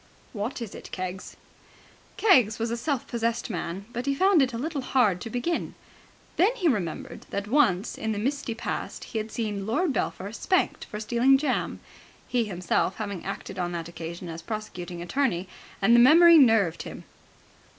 "What is it, Keggs?" Keggs was a self possessed man, but he found it a little hard to begin. Then he remembered that once in the misty past he had seen Lord Belpher spanked for stealing jam, he himself having acted on that occasion as prosecuting attorney; and the memory nerved him.